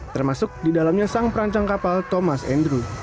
termasuk di dalamnya sang perancang kapal thomas andrew